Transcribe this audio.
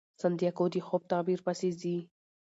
سانتیاګو د خوب تعبیر پسې ځي.